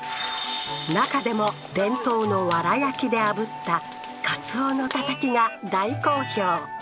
中でも伝統のワラ焼きであぶった鰹のたたきが大好評